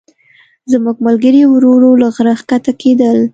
زموږ ملګري ورو ورو له غره ښکته کېدل.